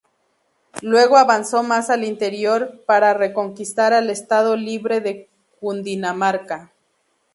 Luego avanzó más al interior, para reconquistar al Estado Libre de Cundinamarca.